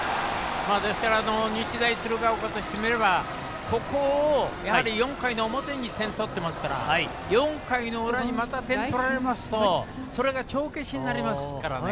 日大鶴ヶ丘としてみればここを４回の表に点を取ってますから４回の裏にまた点を取られますとそれが帳消しになりますからね。